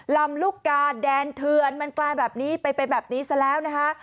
ลำลูกกาแดนเทือนมันกลายแบบนี้ไปแบบนี้ซะแล้วนะคะ